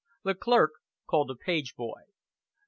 The clerk called a page boy.